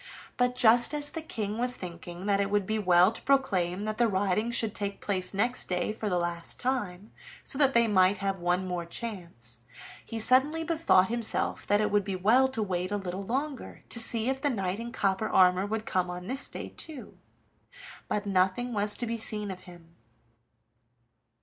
But just as the King was thinking that it would be well to proclaim that the riding should take place next day for the last time, so that they might have one more chance, he suddenly bethought himself that it would be well to wait a little longer to see if the knight in copper armor would come on this day too. But nothing was to be seen of him.